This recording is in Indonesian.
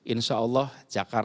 insyaallah jakarta akan berhasil